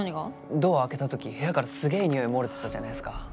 ドア開けた時部屋からすげえにおい漏れてたじゃないすか。